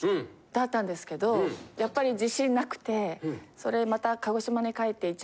だったんですけどやっぱり自信なくてそれでまた。